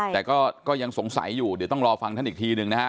แต่ก็ยังสงสัยอยู่เดี๋ยวต้องรอฟังท่านอีกทีหนึ่งนะฮะ